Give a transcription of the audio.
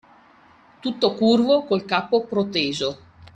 Tutto curvo, col capo proteso